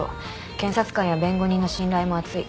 検察官や弁護人の信頼も厚い。